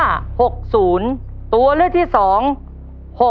เลขบัตรประจำตัวประชาชนของยายไหมล่ะ